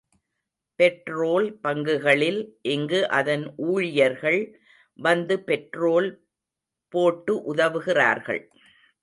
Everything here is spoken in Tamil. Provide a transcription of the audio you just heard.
பெட்ரோல் பங்குகளில் இங்கு அதன் ஊழியர்கள் வந்து பெட்ரோல் போட்டு உதவுகிறார்கள்.